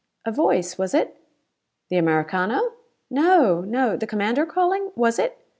"A voice, was it?" "The Americano?" "No! No the commander calling? Was it?